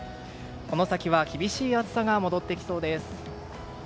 この先は厳しい暑さが戻ってきそうです。